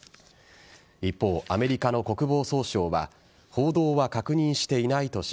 一方、アメリカの国防総省は報道は確認していないとし